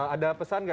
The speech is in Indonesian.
ada pesan nggak